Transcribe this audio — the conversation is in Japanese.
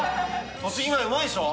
栃木米うまいでしょ？